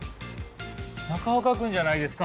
中岡君じゃないですか？